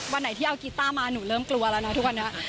วันไหนที่เอากีต้ามาหนูเริ่มกลัวแล้วนะทุกวันนี้